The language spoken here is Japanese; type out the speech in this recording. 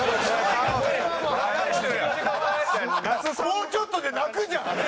もうちょっとで泣くじゃんあれ。